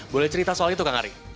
boleh cerita soal itu kang ari